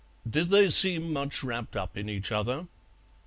"Did they seem much wrapped up in each other?"